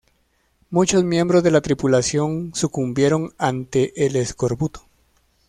Muchos miembros de la tripulación sucumbieron ante el escorbuto.